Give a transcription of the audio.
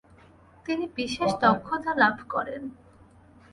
তিনি বিশেষ দক্ষতা লাভ করেন।